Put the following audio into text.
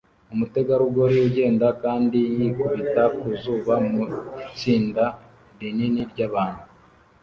Umutegarugori ugenda kandi yikubita ku zuba mu itsinda rinini ryabantu